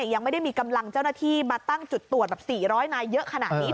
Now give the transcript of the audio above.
ยังไม่ได้มีกำลังเจ้าหน้าที่มาตั้งจุดตรวจแบบ๔๐๐นายเยอะขนาดนี้